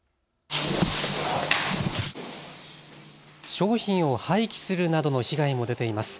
商品を廃棄するなどの被害も出ています。